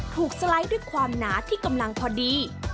สไลด์ด้วยความหนาที่กำลังพอดี